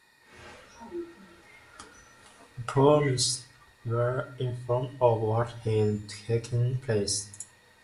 The police were informed of what had taken place.